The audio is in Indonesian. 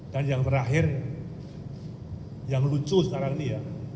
dan yang terakhir yang lucu sekarang ini ya